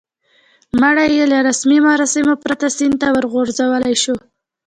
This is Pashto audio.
مړی یې له رسمي مراسمو پرته سیند ته ور وغورځول شو.